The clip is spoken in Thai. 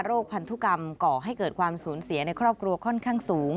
พันธุกรรมก่อให้เกิดความสูญเสียในครอบครัวค่อนข้างสูง